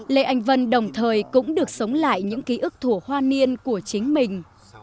lê anh vân đồng thời cũng được sống lại những ký ức thủa hoa niên của chính mình